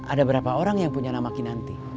ada berapa orang yang punya nama kinanti